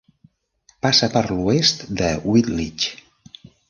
Passa per l'oest de Wittlich.